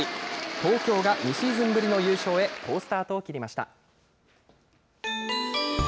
東京が２シーズンぶりの優勝へ好スタートを切りました。